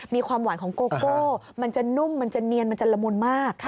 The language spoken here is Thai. มีความหวานของโกโก้มันจะนุ่มมันจะเนียนมันจะละมุนมาก